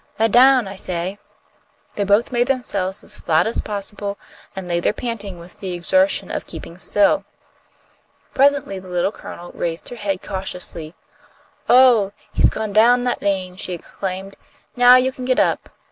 Lie down, I say!" They both made themselves as flat as possible, and lay there panting with the exertion of keeping still. Presently the Little Colonel raised her head cautiously. "Oh, he's gone down that lane!" she exclaimed. "Now you can get up."